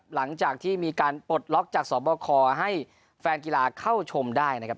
หลังจากที่มีการปลดล็อกจากสบคให้แฟนกีฬาเข้าชมได้นะครับ